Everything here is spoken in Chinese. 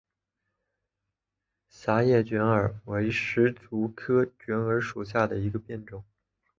狭叶卷耳为石竹科卷耳属下的一个变种。